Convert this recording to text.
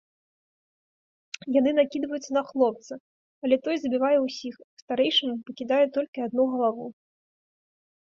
Яны накідваюцца на хлопца, але той забівае ўсіх, а старэйшаму пакідае толькі адну галаву.